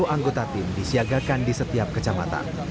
sepuluh anggota tim disiagakan di setiap kecamatan